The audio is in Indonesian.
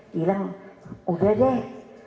bilang udah deh